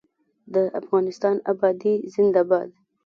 د افغانستان ابادي زنده باد.